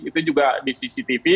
itu juga di cctv